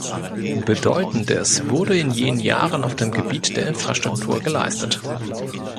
Bedeutendes wurde in jenen Jahren auf dem Gebiet der Infrastruktur geleistet.